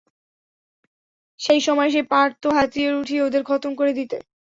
সেই সময় সে পারতো হাতিয়ার উঠিয়ে ওদের খতম করে দিতে।